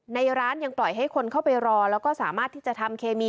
ในร้านยังปล่อยให้คนเข้าไปรอแล้วก็สามารถที่จะทำเคมี